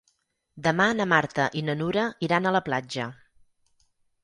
Demà na Marta i na Nura iran a la platja.